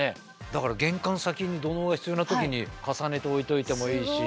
だから玄関先に土嚢が必要な時に重ねて置いておいてもいいし。